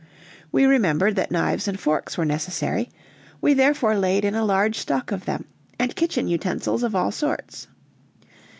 We remembered that knives and forks were necessary, we therefore laid in a large stock of them, and kitchen utensils of all sorts.